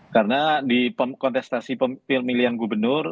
karena di kontestasi pemilihan gubernur